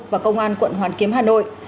và công an quận hoàn kiếm hà nội